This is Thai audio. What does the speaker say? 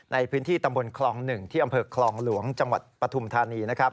ในพื้นที่ตำบลคลอง๑ที่อำเภอคลองหลวงจังหวัดปฐุมธานีนะครับ